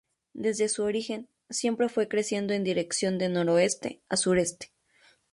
Desde su origen, siempre fue creciendo en dirección de noroeste a sureste.